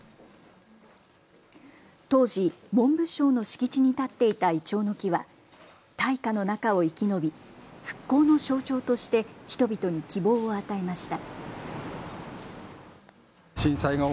当時、文部省の敷地に立っていたイチョウの木は大火の中を生き延び復興の象徴として人々に希望を与えました。